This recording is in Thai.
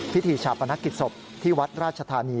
พิธีชาปนกิจศพที่วัดราชธานี